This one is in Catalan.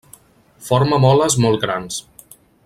Forma moles molt grans.